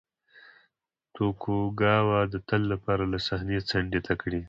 توکوګاوا د تل لپاره له صحنې څنډې ته کړي.